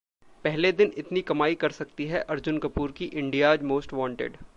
पहले दिन इतनी कमाई कर सकती है अर्जुन कपूर की इंडियाज मोस्ट वॉन्टेड